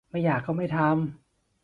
ไม่อยากก็ไม่ทำ